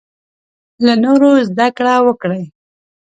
له نورو زده کړه وکړې.